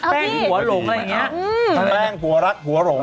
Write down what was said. แป้งหัวหลงอะไรอย่างนี้ทั้งแป้งหัวรักหัวหลง